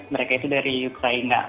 mereka itu dari ukraina